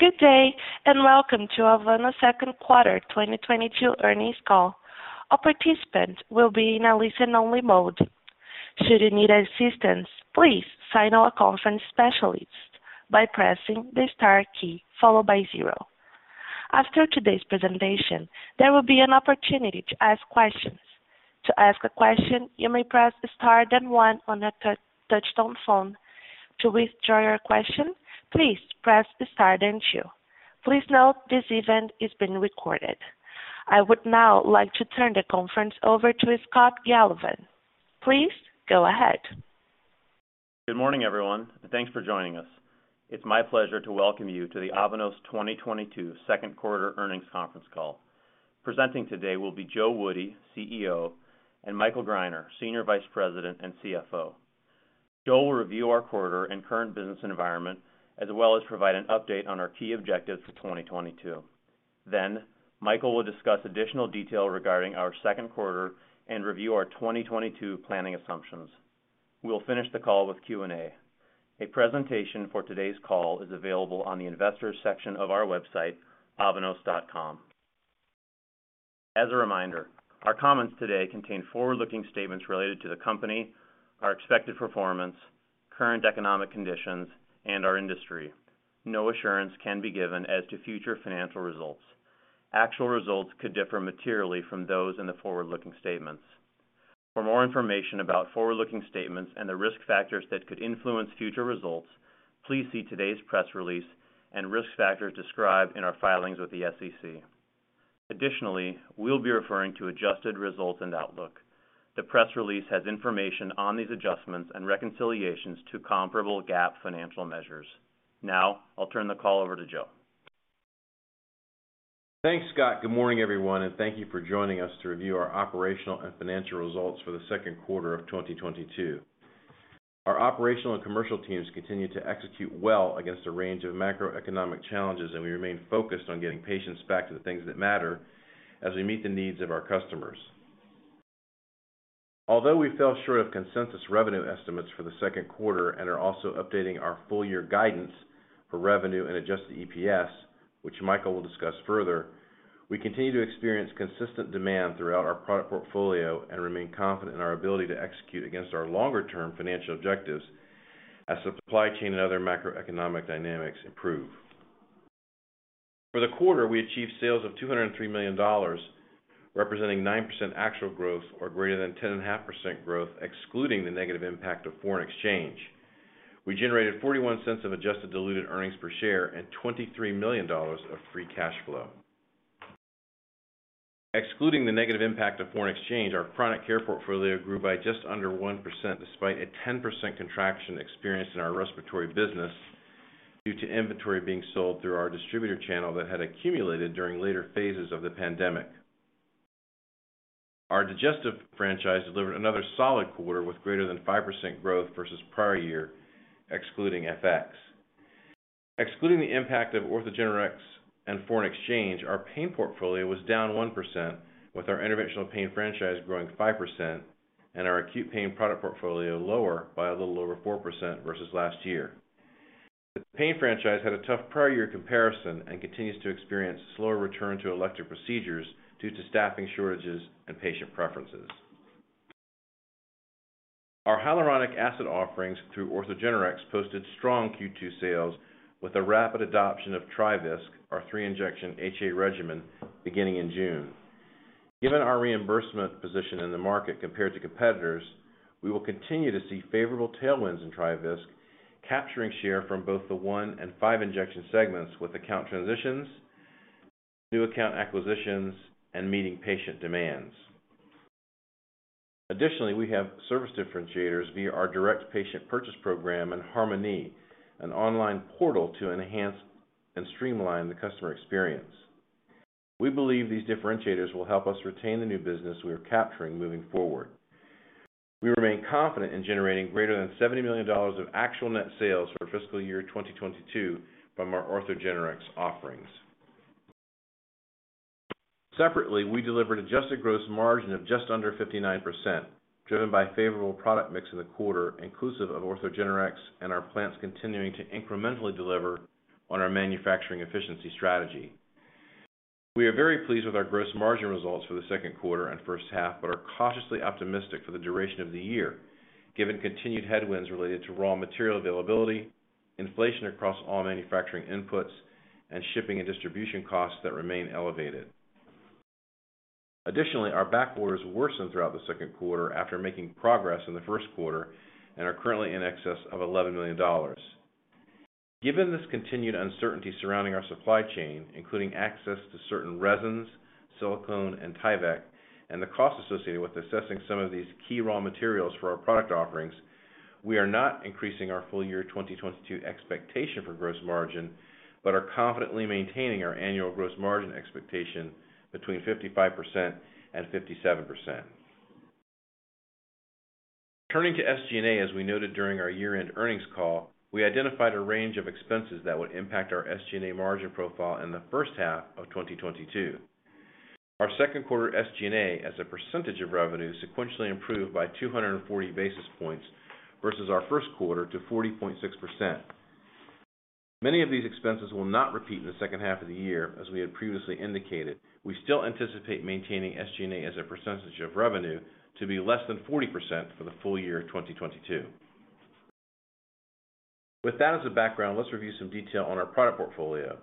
Good day, and welcome to Avanos' second quarter 2022 earnings call. All participants will be in a listen-only mode. Should you need assistance, please dial our conference specialist by pressing the star key followed by zero. After today's presentation, there will be an opportunity to ask questions. To ask a question, you may press star then one on your touch-tone phone. To withdraw your question, please press star then two. Please note this event is being recorded. I would now like to turn the conference over to Scott Galovan. Please go ahead. Good morning, everyone, and thanks for joining us. It's my pleasure to welcome you to the Avanos 2022 second quarter earnings conference call. Presenting today will be Joe Woody, CEO, and Michael Greiner, Senior Vice President and CFO. Joe will review our quarter and current business environment, as well as provide an update on our key objectives for 2022. Then Michael will discuss additional detail regarding our second quarter and review our 2022 planning assumptions. We'll finish the call with Q&A. A presentation for today's call is available on the Investors section of our website, avanos.com. As a reminder, our comments today contain forward-looking statements related to the company, our expected performance, current economic conditions, and our industry. No assurance can be given as to future financial results. Actual results could differ materially from those in the forward-looking statements. For more information about forward-looking statements and the risk factors that could influence future results, please see today's press release and risk factors described in our filings with the SEC. Additionally, we'll be referring to adjusted results and outlook. The press release has information on these adjustments and reconciliations to comparable GAAP financial measures. Now, I'll turn the call over to Joe. Thanks, Scott. Good morning, everyone, and thank you for joining us to review our operational and financial results for the second quarter of 2022. Our operational and commercial teams continued to execute well against a range of macroeconomic challenges, and we remain focused on getting patients back to the things that matter as we meet the needs of our customers. Although we fell short of consensus revenue estimates for the second quarter and are also updating our full year guidance for revenue and adjusted EPS, which Michael will discuss further, we continue to experience consistent demand throughout our product portfolio and remain confident in our ability to execute against our longer-term financial objectives as supply chain and other macroeconomic dynamics improve. For the quarter, we achieved sales of $203 million, representing 9% actual growth or greater than 10.5% growth excluding the negative impact of foreign exchange. We generated $0.41 of adjusted diluted earnings per share and $23 million of free cash flow. Excluding the negative impact of foreign exchange, our Chronic Care portfolio grew by just under 1% despite a 10% contraction experienced in our Respiratory Health business due to inventory being sold through our distributor channel that had accumulated during later phases of the pandemic. Our Digestive Health franchise delivered another solid quarter with greater than 5% growth versus prior year, excluding FX. Excluding the impact of OrthogenRx and foreign exchange, our pain portfolio was down 1%, with our interventional pain franchise growing 5% and our acute pain product portfolio lower by a little over 4% versus last year. The pain franchise had a tough prior year comparison and continues to experience slower return to elective procedures due to staffing shortages and patient preferences. Our Hyaluqcid offerings through OrthogenRx posted strong Q2 sales with a rapid adoption of TriVisc, our 3-injection HA regimen, beginning in June. Given our reimbursement position in the market compared to competitors, we will continue to see favorable tailwinds in TriVisc, capturing share from both the 1- and 5-injection segments with account transitions, new account acquisitions, and meeting patient demands. Additionally, we have service differentiators via our direct patient purchase program and HARMOKNEE, an online portal to enhance and streamline the customer experience. We believe these differentiators will help us retain the new business we are capturing moving forward. We remain confident in generating greater than $70 million of actual net sales for fiscal year 2022 from our OrthogenRx offerings. Separately, we delivered adjusted gross margin of just under 59%, driven by favorable product mix in the quarter, inclusive of OrthogenRx and our plants continuing to incrementally deliver on our manufacturing efficiency strategy. We are very pleased with our gross margin results for the second quarter and first half, but are cautiously optimistic for the duration of the year, given continued headwinds related to raw material availability, inflation across all manufacturing inputs, and shipping and distribution costs that remain elevated. Additionally, our back orders worsened throughout the second quarter after making progress in the first quarter and are currently in excess of $11 million. Given this continued uncertainty surrounding our supply chain, including access to certain resins, silicone, and Tyvek, and the cost associated with assessing some of these key raw materials for our product offerings, we are not increasing our full year 2022 expectation for gross margin, but are confidently maintaining our annual gross margin expectation between 55% and 57%. Turning to SG&A, as we noted during our year-end earnings call, we identified a range of expenses that would impact our SG&A margin profile in the first half of 2022. Our second quarter SG&A as a percentage of revenue sequentially improved by 240 basis points versus our first quarter to 40.6%. Many of these expenses will not repeat in the second half of the year, as we had previously indicated. We still anticipate maintaining SG&A as a percentage of revenue to be less than 40% for the full year of 2022. With that as a background, let's review some detail on our product portfolio.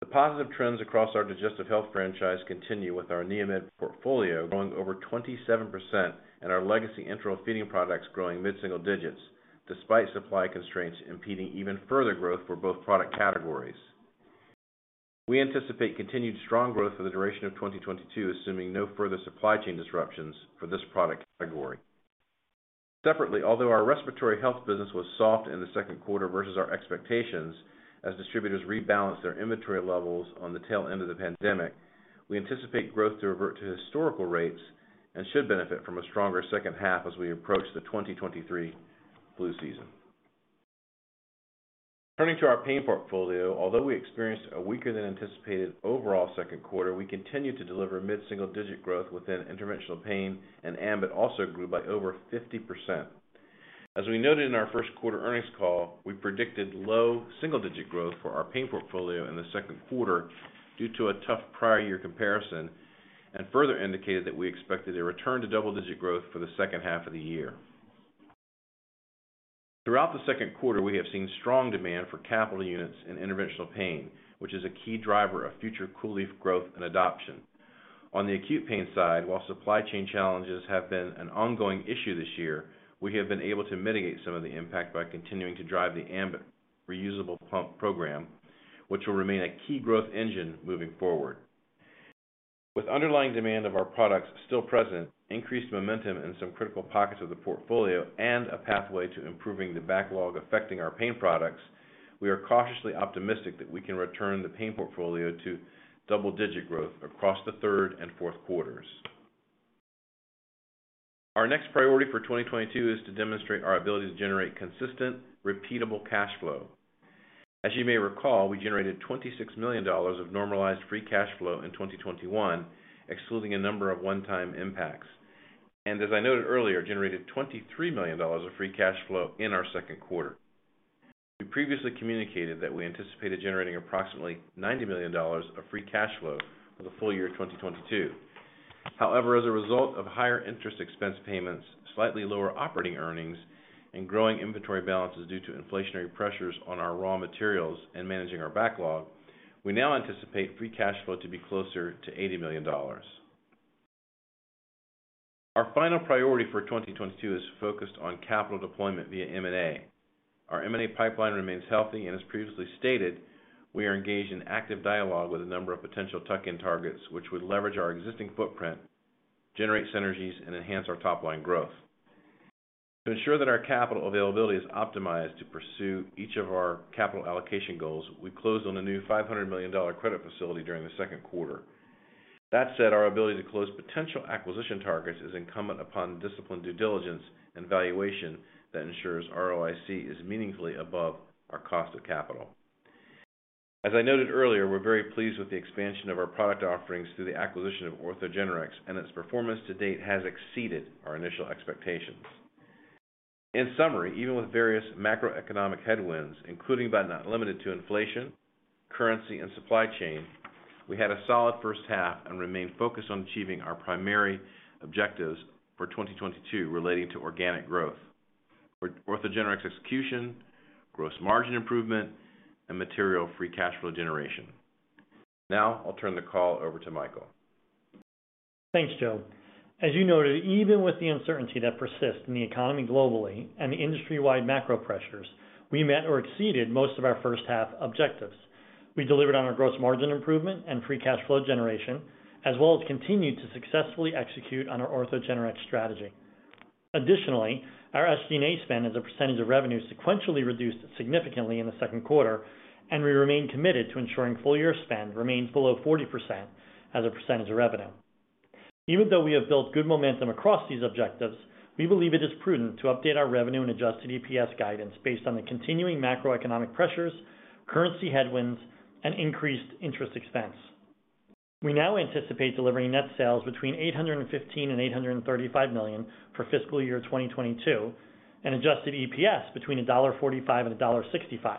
The positive trends across our Digestive Health franchise continue, with our NeoMed portfolio growing over 27% and our legacy enteral feeding products growing mid-single digits despite supply constraints impeding even further growth for both product categories. We anticipate continued strong growth for the duration of 2022, assuming no further supply chain disruptions for this product category. Separately, although our Respiratory Health business was soft in the second quarter versus our expectations as distributors rebalance their inventory levels on the tail end of the pandemic, we anticipate growth to revert to historical rates and should benefit from a stronger second half as we approach the 2023 flu season. Turning to our Pain portfolio, although we experienced a weaker than anticipated overall second quarter, we continued to deliver mid-single digit growth within Interventional Pain, and ambIT also grew by over 50%. As we noted in our first quarter earnings call, we predicted low single digit growth for our Pain portfolio in the second quarter due to a tough prior year comparison, and further indicated that we expected a return to double digit growth for the second half of the year. Throughout the second quarter, we have seen strong demand for capital units in Interventional Pain, which is a key driver of future COOLIEF growth and adoption. On the Acute Pain side, while supply chain challenges have been an ongoing issue this year, we have been able to mitigate some of the impact by continuing to drive the ambIT reusable pump program, which will remain a key growth engine moving forward. With underlying demand of our products still present, increased momentum in some critical pockets of the portfolio, and a pathway to improving the backlog affecting our Pain products, we are cautiously optimistic that we can return the Pain portfolio to double-digit growth across the third and fourth quarters. Our next priority for 2022 is to demonstrate our ability to generate consistent, repeatable cash flow. As you may recall, we generated $26 million of normalized free cash flow in 2021, excluding a number of one-time impacts, and as I noted earlier, generated $23 million of free cash flow in our second quarter. We previously communicated that we anticipated generating approximately $90 million of free cash flow for the full year of 2022. However, as a result of higher interest expense payments, slightly lower operating earnings, and growing inventory balances due to inflationary pressures on our raw materials and managing our backlog, we now anticipate free cash flow to be closer to $80 million. Our final priority for 2022 is focused on capital deployment via M&A. Our M&A pipeline remains healthy, and as previously stated, we are engaged in active dialogue with a number of potential tuck-in targets, which would leverage our existing footprint, generate synergies, and enhance our top-line growth. To ensure that our capital availability is optimized to pursue each of our capital allocation goals, we closed on a new $500 million credit facility during the second quarter. That said, our ability to close potential acquisition targets is incumbent upon disciplined due diligence and valuation that ensures ROIC is meaningfully above our cost of capital. As I noted earlier, we're very pleased with the expansion of our product offerings through the acquisition of OrthogenRx, and its performance to date has exceeded our initial expectations. In summary, even with various macroeconomic headwinds, including but not limited to inflation, currency, and supply chain, we had a solid first half and remain focused on achieving our primary objectives for 2022 relating to organic growth, OrthogenRx execution, gross margin improvement, and material free cash flow generation. Now I'll turn the call over to Michael. Thanks, Joe. As you noted, even with the uncertainty that persists in the economy globally and the industry-wide macro pressures, we met or exceeded most of our first half objectives. We delivered on our gross margin improvement and free cash flow generation, as well as continued to successfully execute on our OrthogenRx strategy. Additionally, our SG&A spend as a percentage of revenue sequentially reduced significantly in the second quarter, and we remain committed to ensuring full year spend remains below 40% as a percentage of revenue. Even though we have built good momentum across these objectives, we believe it is prudent to update our revenue and adjusted EPS guidance based on the continuing macroeconomic pressures, currency headwinds, and increased interest expense. We now anticipate delivering net sales between $815 million and $835 million for fiscal year 2022, and adjusted EPS between $1.45 and $1.65,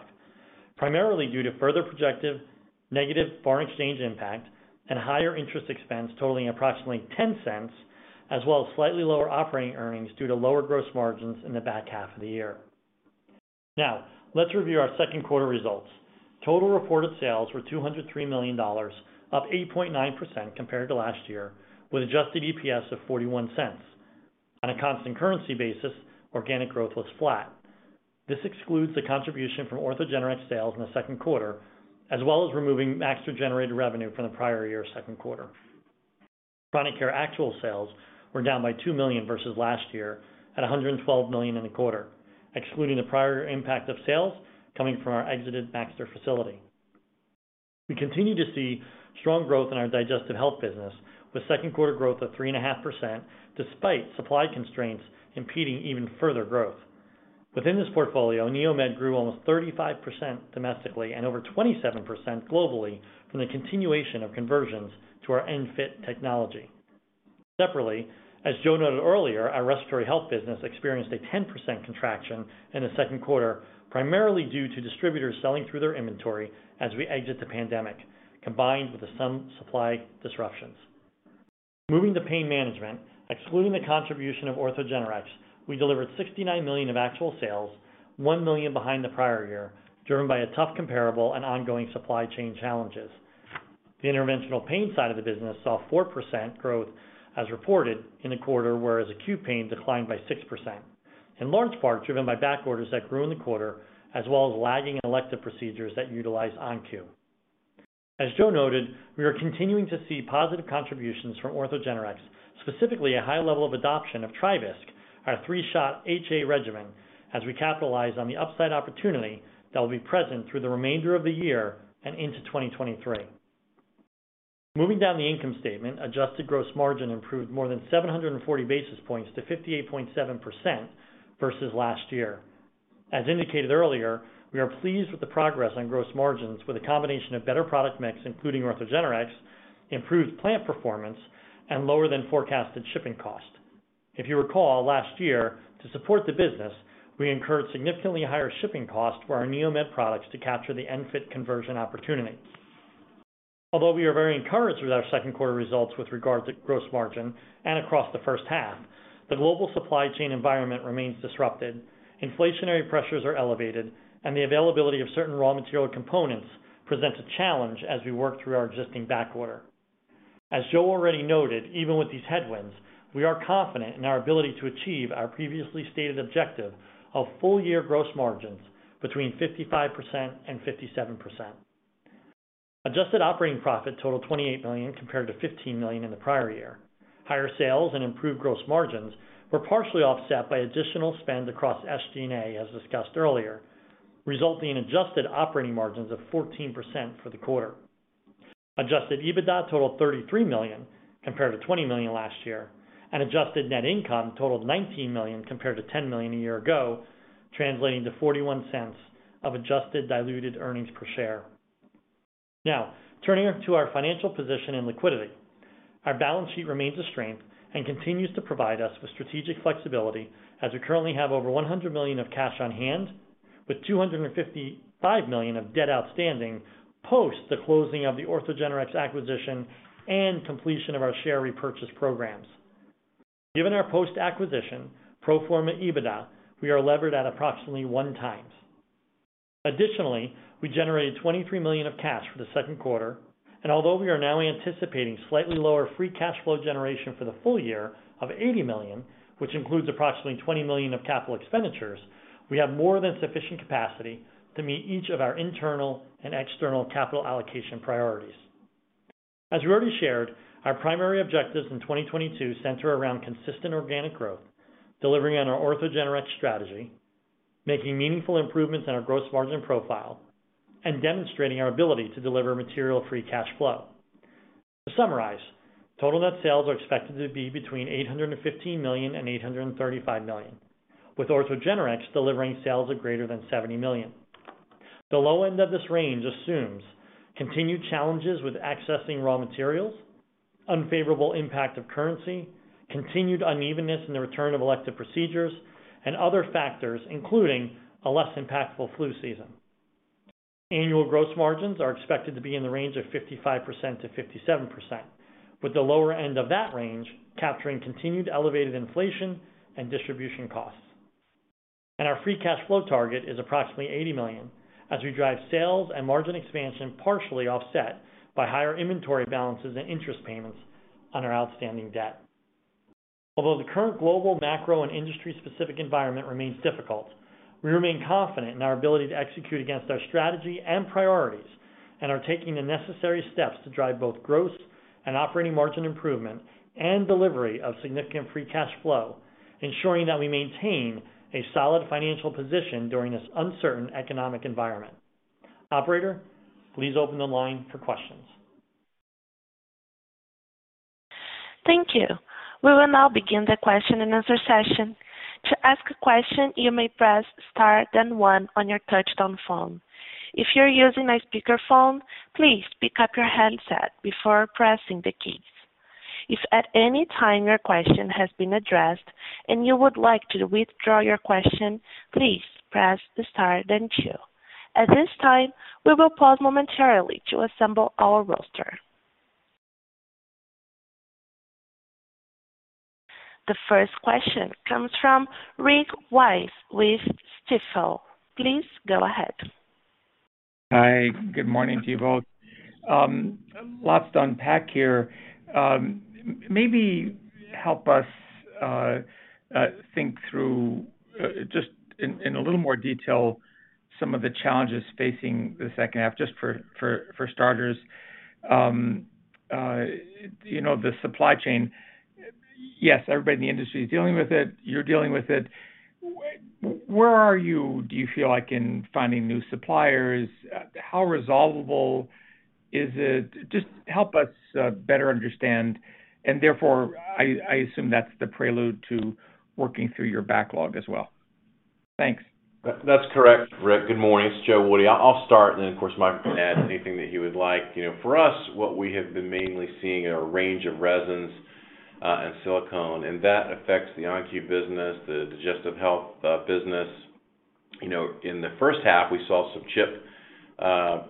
primarily due to further projected negative foreign exchange impact and higher interest expense totaling approximately $0.10, as well as slightly lower operating earnings due to lower gross margins in the back half of the year. Now, let's review our second quarter results. Total reported sales were $203 million, up 8.9% compared to last year, with adjusted EPS of $0.41. On a constant currency basis, organic growth was flat. This excludes the contribution from OrthogenRx sales in the second quarter, as well as removing [Nexus] generated revenue from the prior year second quarter. Chronic Care actual sales were down by $2 million versus last year at $112 million in the quarter, excluding the prior impact of sales coming from our exited [Nexus] facility. We continue to see strong growth in our Digestive Health business, with second quarter growth of 3.5%, despite supply constraints impeding even further growth. Within this portfolio, NeoMed grew almost 35% domestically and over 27% globally from the continuation of conversions to our ENFit technology. Separately, as Joe noted earlier, our Respiratory Health business experienced a 10% contraction in the second quarter, primarily due to distributors selling through their inventory as we exit the pandemic, combined with some supply disruptions. Moving to pain management, excluding the contribution of OrthogenRx, we delivered $69 million of actual sales, $1 million behind the prior year, driven by a tough comparable and ongoing supply chain challenges. The interventional pain side of the business saw 4% growth as reported in the quarter, whereas acute pain declined by 6%. In large part driven by back orders that grew in the quarter, as well as lagging elective procedures that utilize ON-Q. As Joe noted, we are continuing to see positive contributions from OrthogenRx, specifically a high level of adoption of TriVisc, our three-shot HA regimen, as we capitalize on the upside opportunity that will be present through the remainder of the year and into 2023. Moving down the income statement, adjusted gross margin improved more than 740 basis points to 58.7% versus last year. As indicated earlier, we are pleased with the progress on gross margins with a combination of better product mix, including OrthogenRx, improved plant performance, and lower than forecasted shipping cost. If you recall, last year, to support the business, we incurred significantly higher shipping costs for our NeoMed products to capture the ENFit conversion opportunity. Although we are very encouraged with our second quarter results with regard to gross margin and across the first half, the global supply chain environment remains disrupted, inflationary pressures are elevated, and the availability of certain raw material components presents a challenge as we work through our existing backorder. As Joe already noted, even with these headwinds, we are confident in our ability to achieve our previously stated objective of full-year gross margins between 55% and 57%. Adjusted operating profit totaled $28 million compared to $15 million in the prior year. Higher sales and improved gross margins were partially offset by additional spend across SG&A, as discussed earlier, resulting in adjusted operating margins of 14% for the quarter. Adjusted EBITDA totaled $33 million compared to $20 million last year, and adjusted net income totaled $19 million compared to $10 million a year ago, translating to $0.41 of adjusted diluted earnings per share. Now, turning to our financial position and liquidity. Our balance sheet remains a strength and continues to provide us with strategic flexibility as we currently have over $100 million of cash on hand with $255 million of debt outstanding post the closing of the OrthogenRx acquisition and completion of our share repurchase programs. Given our post-acquisition pro forma EBITDA, we are levered at approximately 1x. Additionally, we generated $23 million of cash for the second quarter, and although we are now anticipating slightly lower free cash flow generation for the full year of $80 million, which includes approximately $20 million of capital expenditures, we have more than sufficient capacity to meet each of our internal and external capital allocation priorities. As we already shared, our primary objectives in 2022 center around consistent organic growth, delivering on our OrthogenRx strategy, making meaningful improvements in our gross margin profile, and demonstrating our ability to deliver material free cash flow. To summarize, total net sales are expected to be between $815 million and $835 million, with OrthogenRx delivering sales of greater than $70 million. The low end of this range assumes continued challenges with accessing raw materials, unfavorable impact of currency, continued unevenness in the return of elective procedures, and other factors, including a less impactful flu season. Annual gross margins are expected to be in the range of 55%-57%, with the lower end of that range capturing continued elevated inflation and distribution costs. Our free cash flow target is approximately $80 million as we drive sales and margin expansion partially offset by higher inventory balances and interest payments on our outstanding debt. Although the current global macro and industry specific environment remains difficult, we remain confident in our ability to execute against our strategy and priorities and are taking the necessary steps to drive both gross and operating margin improvement and delivery of significant free cash flow, ensuring that we maintain a solid financial position during this uncertain economic environment. Operator, please open the line for questions. Thank you. We will now begin the question and answer session. To ask a question, you may press star then one on your touchtone phone. If you're using a speakerphone, please pick up your handset before pressing the keys. If at any time your question has been addressed and you would like to withdraw your question, please press star then two. At this time, we will pause momentarily to assemble our roster. The first question comes from Rick Wise with Stifel. Please go ahead. Hi. Good morning to you both. Lots to unpack here. Maybe help us think through just in a little more detail some of the challenges facing the second half, just for starters. You know, the supply chain. Yes, everybody in the industry is dealing with it. You're dealing with it. Where are you, do you feel like, in finding new suppliers? How resolvable is it? Just help us better understand, and therefore, I assume that's the prelude to working through your backlog as well. Thanks. That's correct, Rick. Good morning. It's Joe Woody. I'll start and then, of course, Mike can add anything that he would like. You know, for us, what we have been mainly seeing in our range of resins and silicone, and that affects the ON-Q business, the Digestive Health business. You know, in the first half, we saw some chip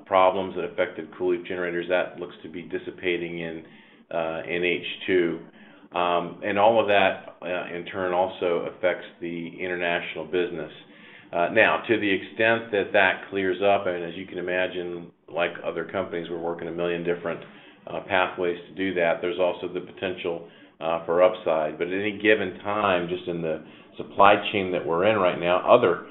problems that affected COOLIEF generators. That looks to be dissipating in H2. All of that, in turn, also affects the international business. Now, to the extent that that clears up, and as you can imagine, like other companies, we're working a million different pathways to do that. There's also the potential for upside. At any given time, just in the supply chain that we're in right now, other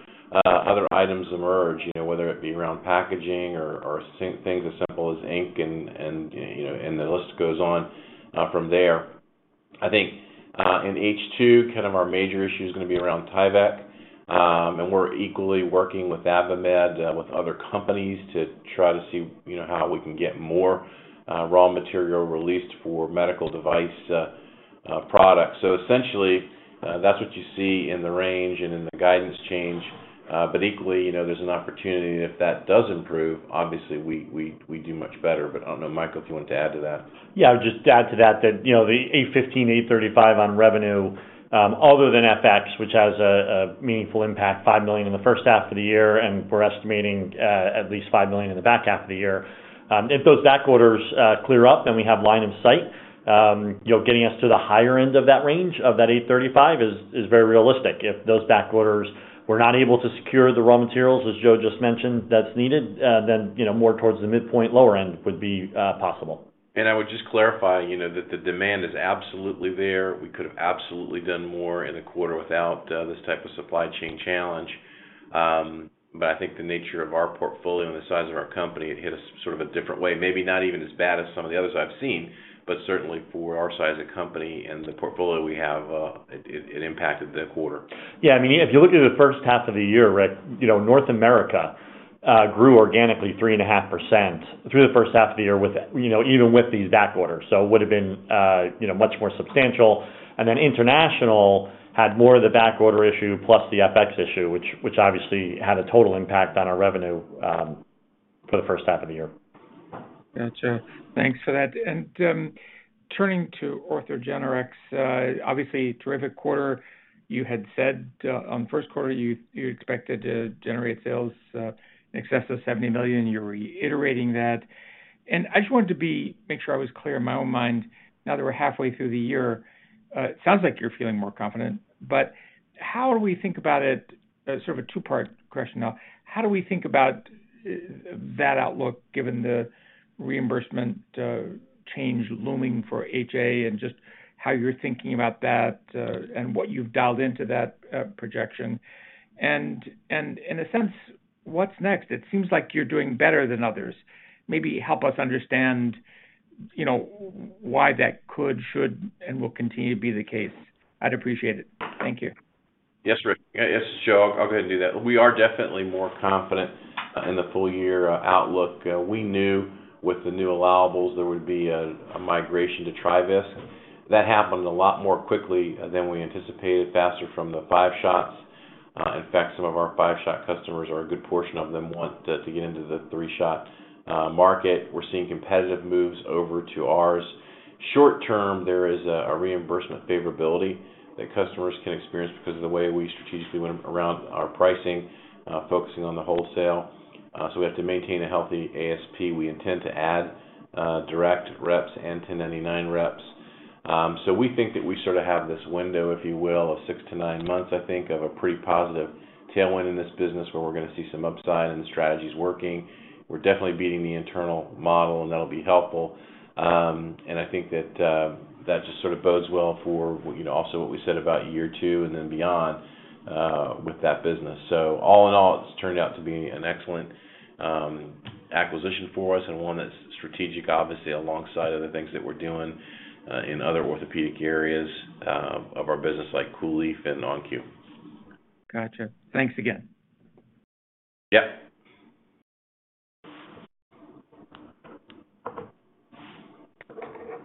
items emerge, you know, whether it be around packaging or things as simple as ink and you know, and the list goes on from there. I think in H2, kind of our major issue is gonna be around Tyvek. And we're equally working with DuPont with other companies to try to see, you know, how we can get more raw material released for medical device products. So essentially, that's what you see in the range and in the guidance change. But equally, you know, there's an opportunity and if that does improve, obviously we do much better. I don't know, Michael, if you want to add to that. Yeah. I'll just add to that, you know, the $815 million-$835 million on revenue, other than FX, which has a meaningful impact, $5 million in the first half of the year, and we're estimating at least $5 million in the back half of the year. If those back orders clear up, then we have line of sight, you know, getting us to the higher end of that range of that $835 million is very realistic. If those back orders were not able to secure the raw materials, as Joe just mentioned, that's needed, then, you know, more towards the midpoint lower end would be possible. I would just clarify, you know, that the demand is absolutely there. We could have absolutely done more in the quarter without this type of supply chain challenge. I think the nature of our portfolio and the size of our company, it hit us sort of a different way. Maybe not even as bad as some of the others I've seen, but certainly for our size of company and the portfolio we have, it impacted the quarter. Yeah. I mean, if you look at the first half of the year, Rick, you know, North America grew organically 3.5% through the first half of the year with, you know, even with these back orders. It would've been, you know, much more substantial. Then international had more of the back order issue plus the FX issue, which obviously had a total impact on our revenue for the first half of the year. Gotcha. Thanks for that. Turning to OrthogenRx, obviously terrific quarter. You had said on the first quarter, you expected to generate sales in excess of $70 million. You're reiterating that. I just wanted to make sure I was clear in my own mind, now that we're halfway through the year, it sounds like you're feeling more confident. How do we think about it, sort of a two-part question now. How do we think about that outlook given the reimbursement change looming for HA and just how you're thinking about that, and what you've dialed into that projection. In a sense, what's next? It seems like you're doing better than others. Maybe help us understand, you know, why that could, should, and will continue to be the case. I'd appreciate it. Thank you. Yes, Rick. It's Joe. I'll go ahead and do that. We are definitely more confident in the full year outlook. We knew with the new allowables, there would be a migration to TriVisc. That happened a lot more quickly than we anticipated, faster from the five shots. In fact, some of our five-shot customers or a good portion of them want to get into the three-shot market. We're seeing competitive moves over to ours. Short term, there is a reimbursement favorability that customers can experience because of the way we strategically went around our pricing, focusing on the wholesale. So we have to maintain a healthy ASP. We intend to add direct reps and 1099 reps. We think that we sort of have this window, if you will, of six to nine months, I think, of a pretty positive tailwind in this business where we're gonna see some upside and the strategy's working. We're definitely beating the internal model, and that'll be helpful. I think that just sort of bodes well for, you know, also what we said about year two and then beyond with that business. All in all, it's turned out to be an excellent acquisition for us and one that's strategic, obviously, alongside other things that we're doing in other orthopedic areas of our business, like COOLIEF and ON-Q. Gotcha. Thanks again. Yeah.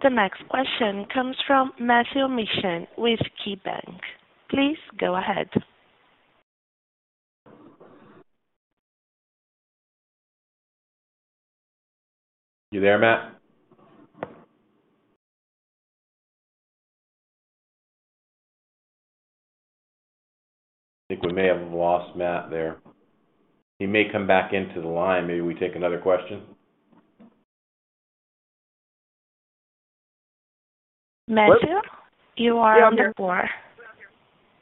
The next question comes from Matthew Mishan with KeyBanc. Please go ahead. You there, Matt? I think we may have lost Matt there. He may come back into the line. Maybe we take another question. Matthew, you are on the floor.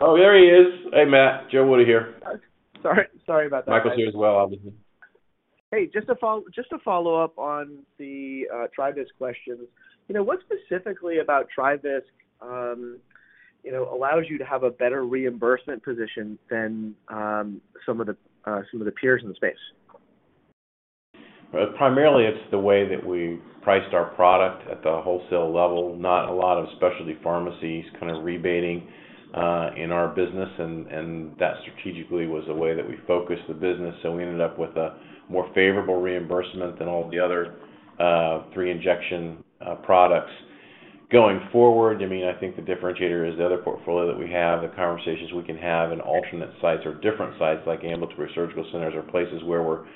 Oh, there he is. Hey, Matt. Joe Woody here. Sorry. Sorry about that. Michael's here as well, obviously. Hey, just to follow up on the TriVisc questions. You know, what specifically about TriVisc allows you to have a better reimbursement position than some of the peers in the space? Well, primarily, it's the way that we priced our product at the wholesale level, not a lot of specialty pharmacies kind of rebating in our business. That strategically was a way that we focused the business, so we ended up with a more favorable reimbursement than all the other three-injection products. Going forward, I mean, I think the differentiator is the other portfolio that we have, the conversations we can have in alternate sites or different sites like ambulatory surgical centers or places where we're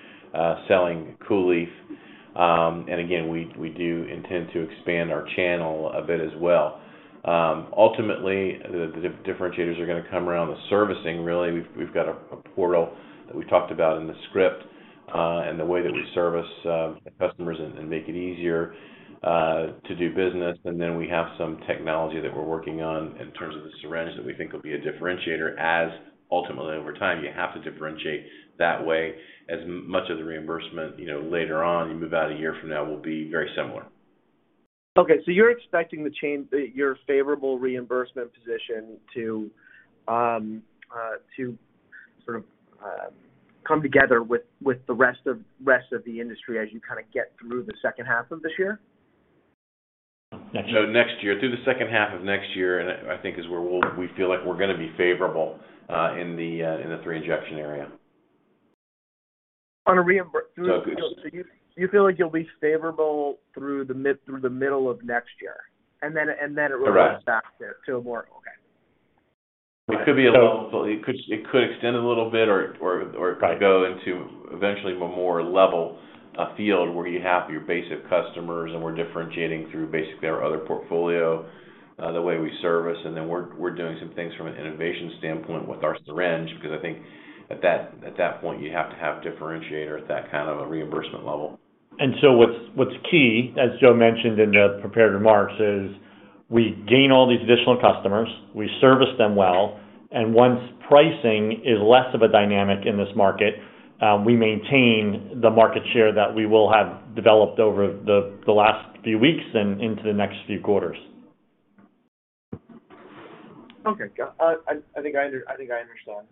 selling COOLIEF. Again, we do intend to expand our channel a bit as well. Ultimately, the differentiators are gonna come around the servicing, really. We've got a portal that we talked about in the script, and the way that we service the customers and make it easier to do business. We have some technology that we're working on in terms of the syringe that we think will be a differentiator as ultimately over time you have to differentiate that way as much of the reimbursement, you know, later on, you move out a year from now, will be very similar. Okay. You're expecting the change that your favorable reimbursement position to sort of come together with the rest of the industry as you kind of get through the second half of this year? Next year. Through the second half of next year, I think, is where we feel like we're gonna be favorable in the three injection area. On a reimbur- So it's- You feel like you'll be favorable through the middle of next year, and then it really- Correct Okay. It could extend a little bit or. Right... go into eventually a more level field where you have your basic customers and we're differentiating through basically our other portfolio, the way we service. We're doing some things from an innovation standpoint with our syringe, because I think at that point, you have to have differentiator at that kind of a reimbursement level. What's key, as Joe mentioned in the prepared remarks, is we gain all these additional customers, we service them well, and once pricing is less of a dynamic in this market, we maintain the market share that we will have developed over the last few weeks and into the next few quarters. Okay. Got it. I think I understand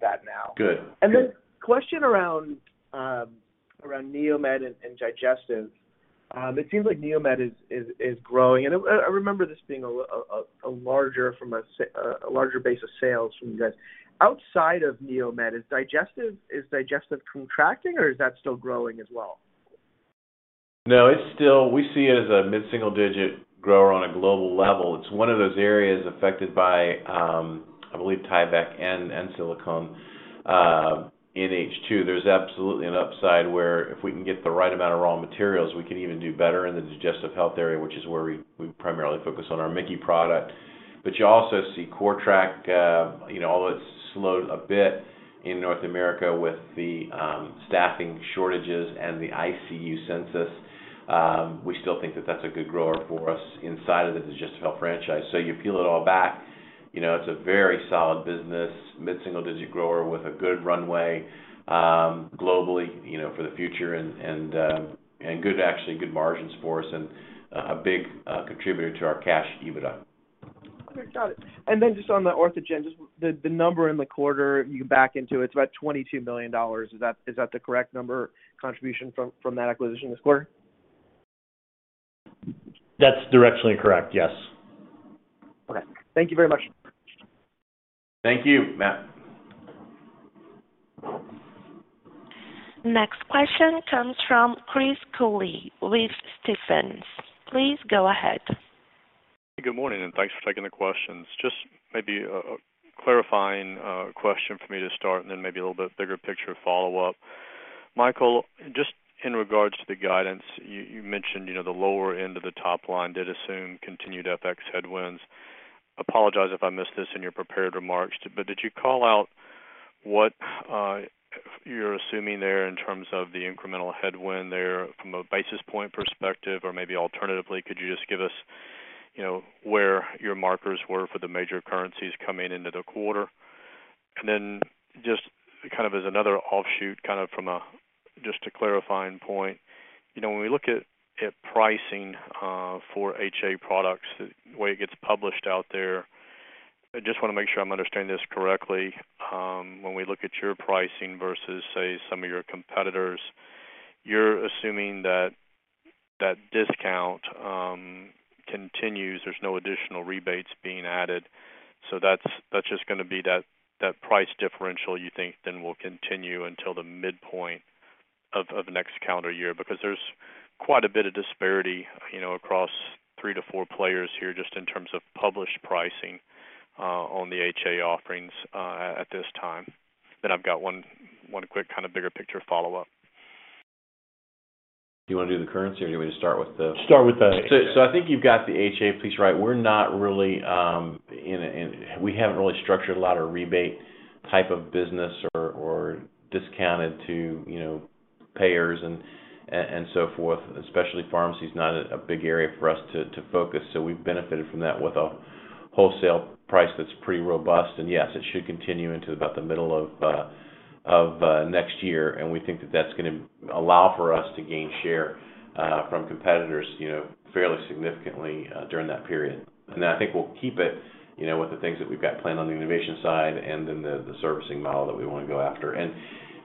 that now. Good. Good. Then question around NeoMed and Digestive. It seems like NeoMed is growing. I remember this being a larger base of sales from you guys. Outside of NeoMed, is Digestive contracting, or is that still growing as well? No, it's still. We see it as a mid-single-digit grower on a global level. It's one of those areas affected by, I believe Tyvek and silicone, in H2. There's absolutely an upside where if we can get the right amount of raw materials, we can even do better in the Digestive Health area, which is where we primarily focus on our MIC-KEY product. You also see CORTRAK, you know, although it's slowed a bit in North America with the staffing shortages and the ICU census, we still think that that's a good grower for us inside of the Digestive Health franchise. You peel it all back, you know, it's a very solid business, mid-single digit grower with a good runway, globally, you know, for the future and good, actually good margins for us and a big contributor to our cash EBITDA. Okay. Got it. Just on the OrthogenRx, just the number in the quarter, you back into it's about $22 million. Is that the correct number contribution from that acquisition this quarter? That's directionally correct, yes. Okay. Thank you very much. Thank you, Matt. Next question comes from Chris Cooley with Stephens. Please go ahead. Good morning, and thanks for taking the questions. Just maybe a clarifying question for me to start and then maybe a little bit bigger picture follow-up. Michael, just in regards to the guidance, you mentioned, you know, the lower end of the top line did assume continued FX headwinds. Apologize if I missed this in your prepared remarks, but did you call out what you're assuming there in terms of the incremental headwind there from a basis point perspective? Or maybe alternatively, could you just give us, you know, where your markers were for the major currencies coming into the quarter? And then just kind of as another offshoot, kind of from a just a clarifying point. You know, when we look at pricing for HA products, the way it gets published out there, I just wanna make sure I'm understanding this correctly. When we look at your pricing versus, say, some of your competitors, you're assuming that discount continues. There's no additional rebates being added. That's just gonna be that price differential you think then will continue until the midpoint of next calendar year. Because there's quite a bit of disparity, you know, across three to four players here just in terms of published pricing on the HA offerings at this time. I've got one quick kind of bigger picture follow-up. Do you wanna do the currency or do you want me to start with? Start with the HA. I think you've got the HA piece right. We haven't really structured a lot of rebate type of business or discounted to you know payers and so forth, especially pharmacy is not a big area for us to focus. We've benefited from that with a wholesale price that's pretty robust. Yes, it should continue into about the middle of next year. We think that that's gonna allow for us to gain share from competitors you know fairly significantly during that period. I think we'll keep it you know with the things that we've got planned on the innovation side and then the servicing model that we wanna go after.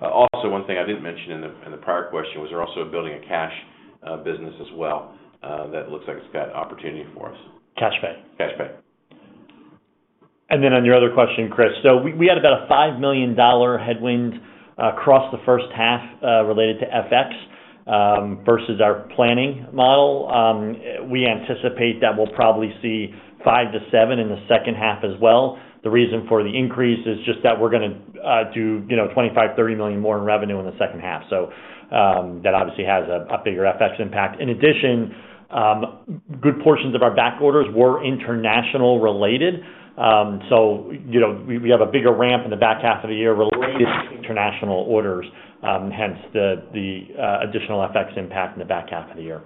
Also, one thing I didn't mention in the prior question was we're also building a cash business as well that looks like it's got opportunity for us. Cash pay. Cash pay. On your other question, Chris. We had about a $5 million headwind across the first half related to FX versus our planning model. We anticipate that we'll probably see $5 million-$7 million in the second half as well. The reason for the increase is just that we're gonna do, you know, $25 million-$30 million more in revenue in the second half. That obviously has a bigger FX impact. In addition, good portions of our back orders were international related. You know, we have a bigger ramp in the back half of the year related to international orders, hence the additional FX impact in the back half of the year.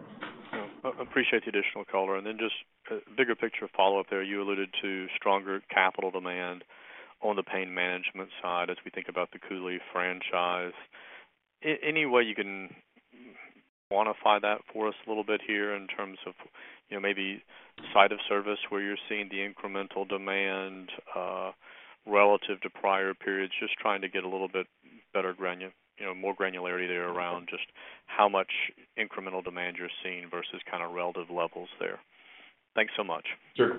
Appreciate the additional color. Then just a bigger picture follow-up there. You alluded to stronger capital demand on the Pain Management side as we think about the COOLIEF franchise. Any way you can quantify that for us a little bit here in terms of, you know, maybe site of service where you're seeing the incremental demand, relative to prior periods? Just trying to get a little bit better you know, more granularity there around just how much incremental demand you're seeing versus kind of relative levels there. Thanks so much. Sure.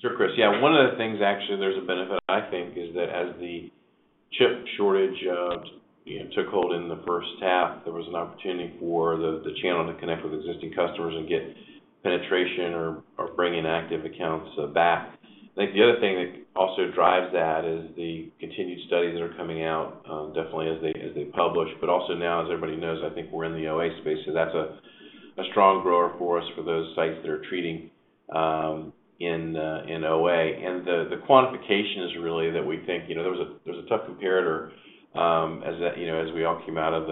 Sure, Chris. Yeah, one of the things actually there's a benefit, I think, is that as the chip shortage took hold in the first half, there was an opportunity for the channel to connect with existing customers and get penetration or bring in active accounts back. I think the other thing that also drives that is the continued studies that are coming out, definitely as they publish, but also now as everybody knows, I think we're in the OA space, so that's a strong grower for us for those sites that are treating in OA. The quantification is really that we think, you know, there was a tough comparator, as you know, as we all came out of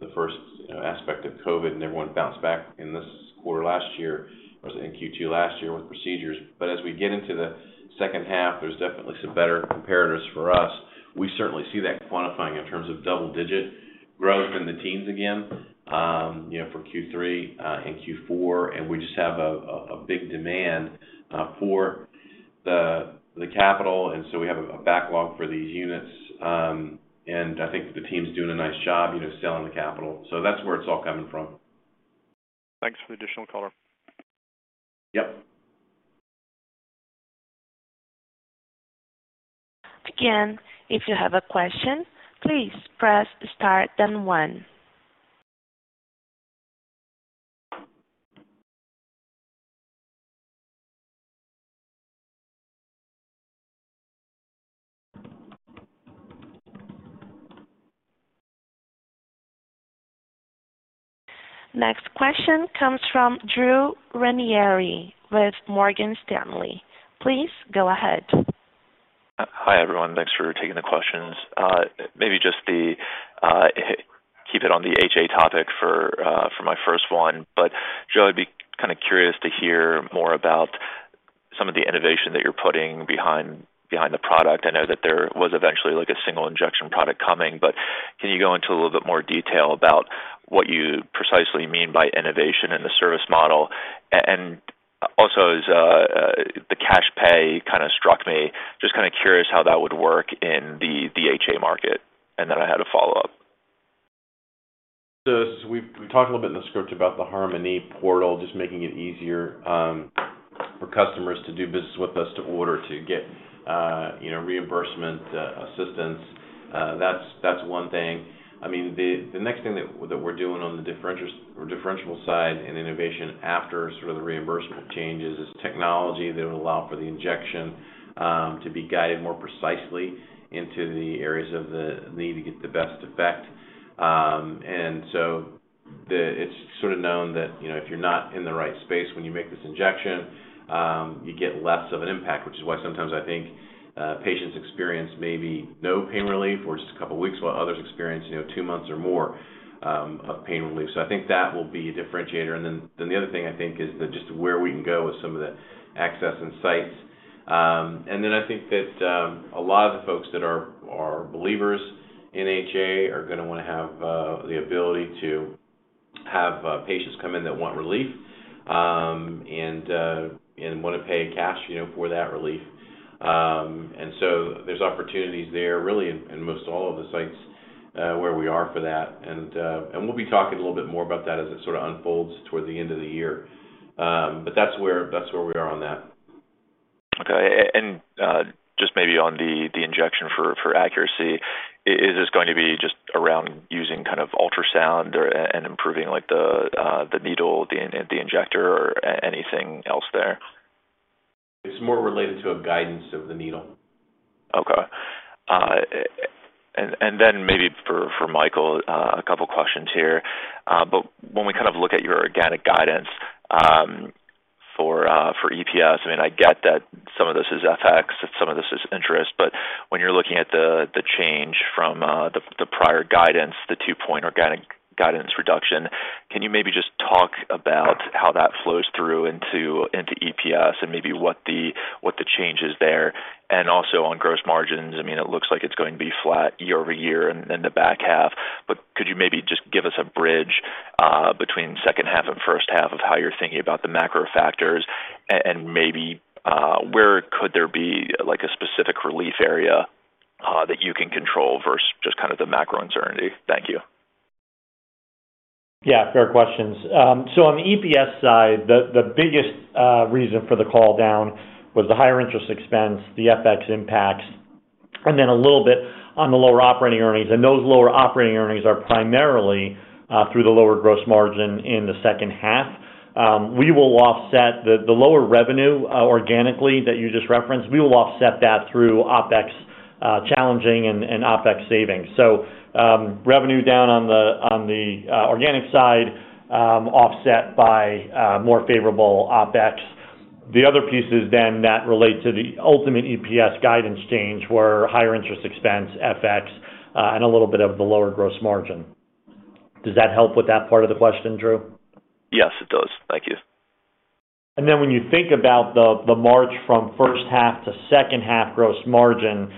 the first, you know, aspect of COVID, and everyone bounced back in this quarter last year or in Q2 last year with procedures. As we get into the second half, there's definitely some better comparators for us. We certainly see that quantifying in terms of double-digit growth in the teens again, you know, for Q3 and Q4. We just have a big demand for the capital, and so we have a backlog for these units. I think the team's doing a nice job, you know, selling the capital. That's where it's all coming from. Thanks for the additional color. Yep. Again, if you have a question, please press star then one. Next question comes from Drew Ranieri with Morgan Stanley. Please go ahead. Hi, everyone. Thanks for taking the questions. Maybe just keep it on the HA topic for my first one. Joe, I'd be kinda curious to hear more about some of the innovation that you're putting behind the product. I know that there was eventually, like, a single injection product coming, but can you go into a little bit more detail about what you precisely mean by innovation in the service model? Also the cash pay kinda struck me, just kinda curious how that would work in the HA market. Then I had a follow-up. We talked a little bit in the script about the HARMOKNEE portal, just making it easier for customers to do business with us to order to get you know reimbursement assistance. That's one thing. I mean, the next thing that we're doing on the differentiable side in innovation after sort of the reimbursement changes is technology that would allow for the injection to be guided more precisely into the areas of the knee to get the best effect. It's sort of known that, you know, if you're not in the right space when you make this injection, you get less of an impact, which is why sometimes I think patients experience maybe no pain relief or just a couple of weeks, while others experience, you know, two months or more of pain relief. I think that will be a differentiator. The other thing I think is that just where we can go with some of the access and sites. I think that a lot of the folks that are believers in HA are gonna wanna have the ability to have patients come in that want relief and wanna pay cash, you know, for that relief. There's opportunities there really in most all of the sites where we are for that. We'll be talking a little bit more about that as it sorta unfolds toward the end of the year. That's where we are on that. Okay. Just maybe on the injection for accuracy, is this going to be just around using kind of ultrasound or improving like the needle, the injector or anything else there? It's more related to a guidance of the needle. Okay. Maybe for Michael, a couple of questions here. When we kind of look at your organic guidance for EPS, I mean, I get that some of this is FX and some of this is interest, but when you're looking at the change from the prior guidance, the 2-point organic guidance reduction, can you maybe just talk about how that flows through into EPS and maybe what the change is there? Also on gross margins, I mean, it looks like it's going to be flat year-over-year in the back half, but could you maybe just give us a bridge between second half and first half of how you're thinking about the macro factors and maybe where could there be, like, a specific relief area that you can control versus just kind of the macro uncertainty? Thank you. Yeah, fair questions. So on the EPS side, the biggest reason for the call down was the higher interest expense, the FX impacts, and then a little bit on the lower operating earnings. Those lower operating earnings are primarily through the lower gross margin in the second half. We will offset the lower revenue organically that you just referenced, we will offset that through OpEx challenging and OpEx savings. Revenue down on the organic side, offset by more favorable OpEx. The other pieces then that relate to the ultimate EPS guidance change were higher interest expense, FX, and a little bit of the lower gross margin. Does that help with that part of the question, Drew? Yes, it does. Thank you. When you think about the march from first half to second half gross margin, the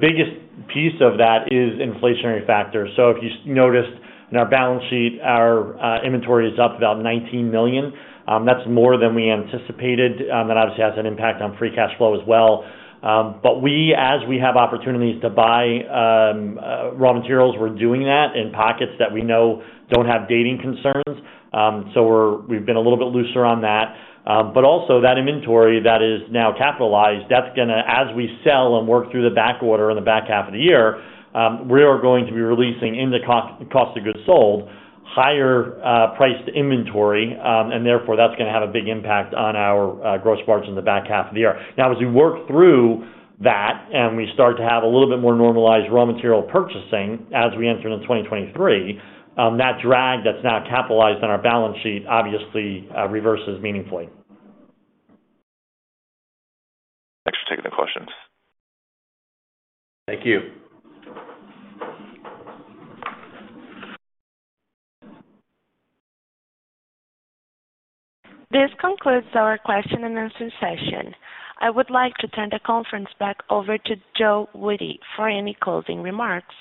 biggest piece of that is inflationary factors. If you noticed in our balance sheet, our inventory is up about $19 million. That's more than we anticipated. That obviously has an impact on free cash flow as well. As we have opportunities to buy raw materials, we're doing that in pockets that we know don't have dating concerns. We've been a little bit looser on that. Also that inventory that is now capitalized, that's gonna, as we sell and work through the backorder in the back half of the year, we are going to be releasing in the cost of goods sold, higher priced inventory. Therefore, that's gonna have a big impact on our gross margin in the back half of the year. Now, as we work through that, and we start to have a little bit more normalized raw material purchasing as we enter into 2023, that drag that's now capitalized on our balance sheet obviously reverses meaningfully. Thanks for taking the questions. Thank you. This concludes our question and answer session. I would like to turn the conference back over to Joe Woody for any closing remarks.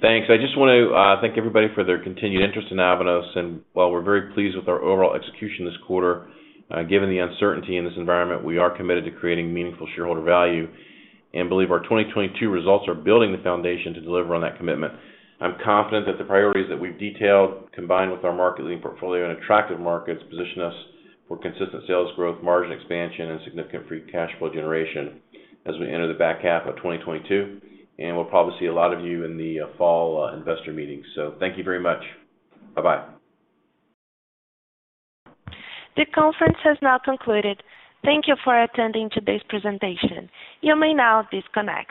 Thanks. I just wanna thank everybody for their continued interest in Avanos. While we're very pleased with our overall execution this quarter, given the uncertainty in this environment, we are committed to creating meaningful shareholder value, and believe our 2022 results are building the foundation to deliver on that commitment. I'm confident that the priorities that we've detailed, combined with our market leading portfolio and attractive markets, position us for consistent sales growth, margin expansion, and significant free cash flow generation as we enter the back half of 2022. We'll probably see a lot of you in the fall investor meeting. Thank you very much. Bye-bye. The conference has now concluded. Thank you for attending today's presentation. You may now disconnect.